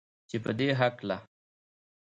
چې پدې هکله